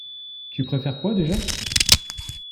Tu préfères quoi déjà?